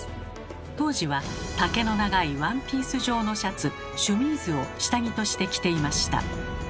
当時は丈の長いワンピース状のシャツシュミーズを下着として着ていました。